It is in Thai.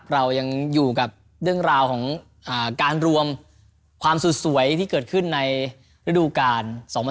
เรายังอยู่กับเรื่องราวของการรวมความสุดสวยที่เกิดขึ้นในฤดูกาล๒๐๑๖